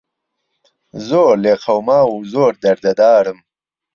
زۆر لێ قهوماو و زۆر دهردهدارم